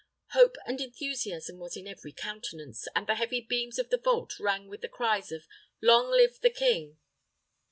Hope and enthusiasm was in every countenance, and the heavy beams of the vault rang with the cries of "Long live the king."